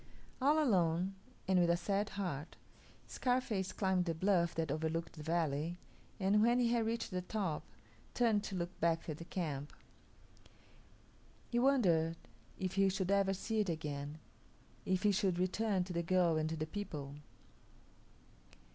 All alone, and with a sad heart, Scarface climbed the bluff that overlooked the valley, and when he had reached the top, turned to look back at the camp. He wondered if he should ever see it again; if he should return to the girl and to the people.